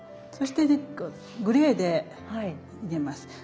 そしてグレーで入れます。